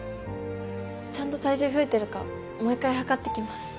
ちゃんと体重増えてるかもう一回量ってきます。